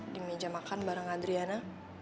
di meja makan bareng adriana